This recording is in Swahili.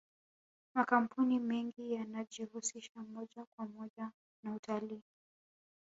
makampuni mengi yanajihusisha moja kwa moja na utalii